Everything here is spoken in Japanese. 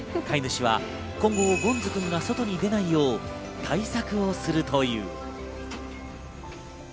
飼い主は今後、ごんずくんが外に出ないよう対策をするという。